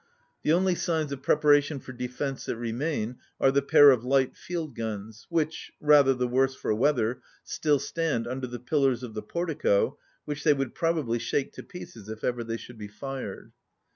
The only signs of preparations for defence that remain are the pair of light field guns which, rather the worse for weather, still stand under the pillars of the portico which they would probably shake to pieces if ever they should be fired.